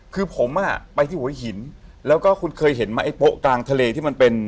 คือผมอ่ะไปที่หัวหินแล้วก็คุณเคยเห็นไหมไอ้โป๊ะกลางทะเลที่มันเป็น